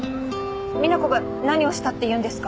みな子が何をしたっていうんですか？